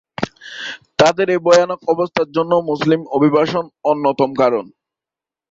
তাদের এই ভয়ানক অবস্থার জন্য মুসলিম অভিবাসন অন্যতম কারণ।